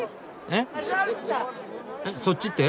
えっそっちって？